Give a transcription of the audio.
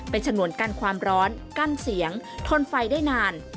เป็นฉนวนกั้นความร้อนกั้นเสียงทนไฟได้นาน